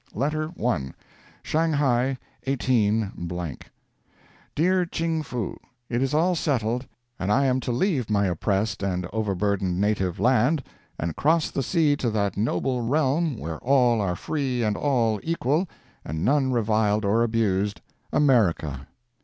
LETTER I. SHANGHAI, 18—. DEAR CHING FOO: It is all settled, and I am to leave my oppressed and overburdened native land and cross the sea to that noble realm where all are free and all equal, and none reviled or abused—America!